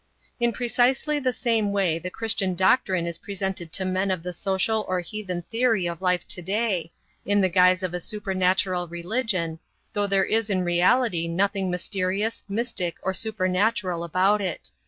In precisely the same way the Christian doctrine is presented to men of the social or heathen theory of life to day, in the guise of a supernatural religion, though there is in reality nothing mysterious, mystic, or supernatural about it.